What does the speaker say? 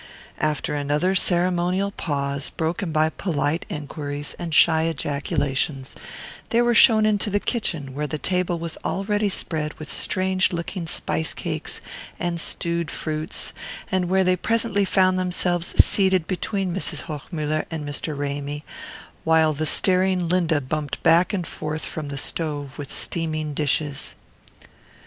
After another ceremonial pause, broken by polite enquiries and shy ejaculations, they were shown into the kitchen, where the table was already spread with strange looking spice cakes and stewed fruits, and where they presently found themselves seated between Mrs. Hochmuller and Mr. Ramy, while the staring Linda bumped back and forth from the stove with steaming dishes.